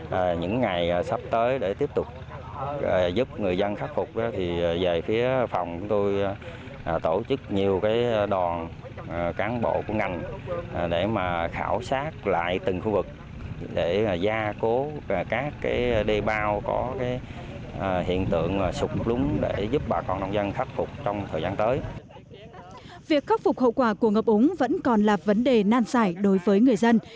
việc khắc phục hậu quả của ngập úng vẫn còn là vấn đề nan giải đối với người dân